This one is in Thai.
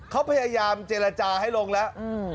เขาพยายามเจรจาให้ลงแล้ว